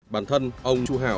bản thân ông chu hảo